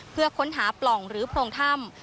เพื่อค้นหาปล่องหรือโพรงถ้ำ